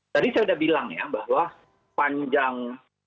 tadi saya sudah bilang ya bahwa panjang